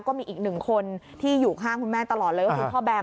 ก็มีอีกหนึ่งคนที่อยู่ข้างคุณแม่ตลอดเลยก็คือพ่อแบม